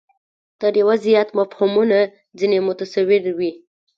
تر یوه زیات مفهومونه ځنې متصور وي.